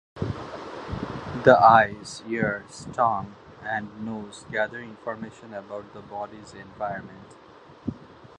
The eyes, ears, tongue, and nose gather information about the body's environment.